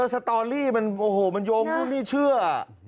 สตอรี่มันโยงพวกนี้เชื่อ